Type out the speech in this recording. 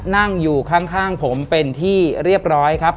นั่งอยู่ข้างผมเป็นที่เรียบร้อยครับ